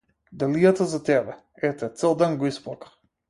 Далијата за тебе, ете, цел ден го исплака.